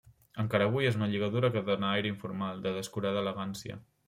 Encara avui és una lligadura que dóna aire informal, de descurada elegància.